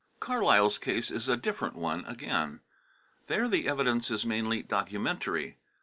Carlyle's case is a different one again. There the evidence is mainly documentary.